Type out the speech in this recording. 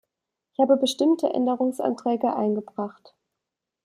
Ich habe bestimmte Änderungsanträge eingebracht.